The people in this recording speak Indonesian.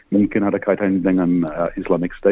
mungkin ada kaitan dengan islamisme